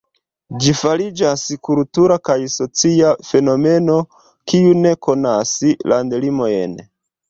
Ĝi fariĝas kultura kaj socia fenomeno kiu ne konas landlimojn.